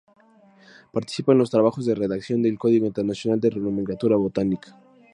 Participa en los trabajos de redacción del Código internacional de nomenclatura botánica.